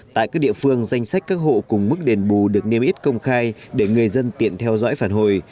tại các địa phương danh sách các hộ cùng mức đền bù được niêm yết công khai để người dân tiện theo dõi phản hồi